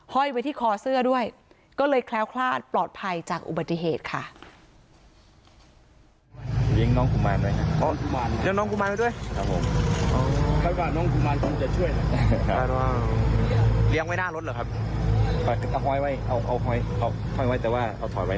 ้อยไว้ที่คอเสื้อด้วยก็เลยแคล้วคลาดปลอดภัยจากอุบัติเหตุค่ะ